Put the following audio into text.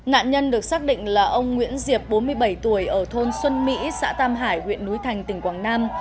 nạn nhân được xác định là ông nguyễn diệp bốn mươi bảy tuổi ở thôn xuân mỹ xã tam hải huyện núi thành tỉnh quảng nam